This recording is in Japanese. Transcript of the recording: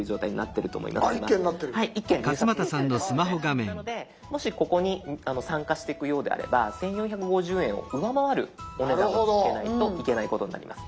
なのでもしここに参加していくようであれば１，４５０円を上回るお値段をつけないといけないことになります。